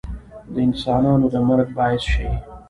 د انسانانو د مرګ باعث شي